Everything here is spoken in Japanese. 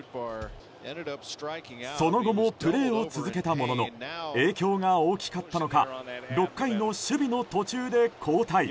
その後もプレーを続けたものの影響が大きかったのか６回の守備の途中で交代。